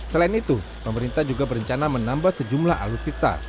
selain itu pemerintah juga berencana menambah sejumlah alutsista